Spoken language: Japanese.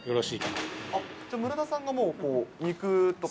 じゃあ村田さんがもう肉とか？